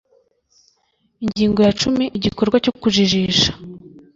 ingingo ya cumi igikorwa cyo kujijisha